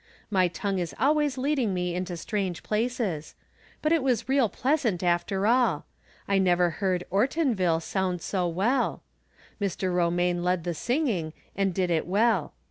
My tongue is always leading me into strange places ; but it was real pleasant, after all. I never heard " Ortonville " sound so well. Mr. Eomaine led the singing, and did it well.